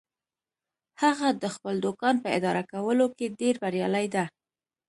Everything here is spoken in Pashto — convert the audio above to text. هغه د خپل دوکان په اداره کولو کې ډیر بریالی ده